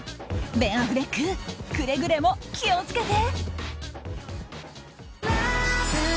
ベン・アフレックくれぐれも気を付けて！